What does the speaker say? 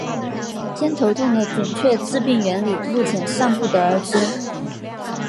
偏头痛的准确致病原理目前尚不得而知。